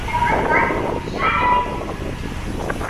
ამჟამად მათ ყოფს ჩეხოვის ქუჩა.